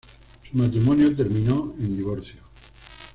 Su matrimonio terminó en divorcio.